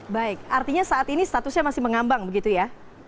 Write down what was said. baik artinya saat ini statusnya masih mengambang begitu ya